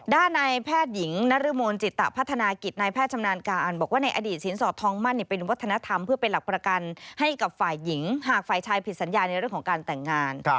ด้านในแพทย์หญิงนรมนจิตพัฒนากิจนายแพทย์ชำนาญการบอกว่าในอดีตสินสอดทองมั่นเป็นวัฒนธรรมเพื่อเป็นหลักประกันให้กับฝ่ายหญิงหากฝ่ายชายผิดสัญญาในเรื่องของการแต่งงาน